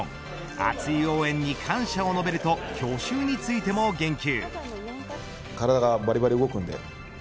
熱い応援に感謝を述べると去就についても言及。